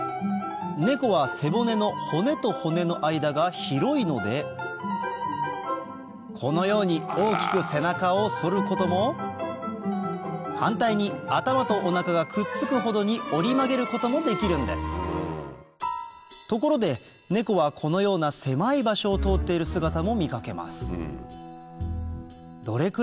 ネコは背骨の骨と骨の間が広いのでこのように大きく背中を反ることも反対に頭とお腹がくっつくほどに折り曲げることもできるんですところでネコはこのような狭い場所を通っている姿も見かけます